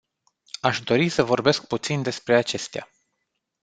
Aș dori să vorbesc puțin despre acestea.